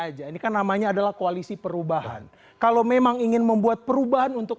aja ini kan namanya adalah koalisi perubahan kalau memang ingin membuat perubahan untuk